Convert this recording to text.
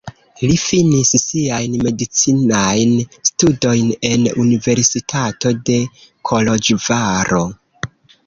Li finis siajn medicinajn studojn en Universitato de Koloĵvaro.